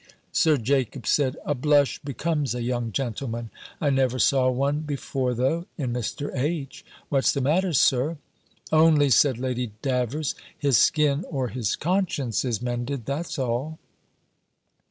Sir Jacob said, "A blush becomes a young gentleman! I never saw one before though, in Mr. H. What's the matter, Sir?" "Only," said Lady Davers, "his skin or his conscience is mended, that's all."